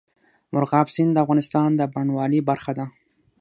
مورغاب سیند د افغانستان د بڼوالۍ برخه ده.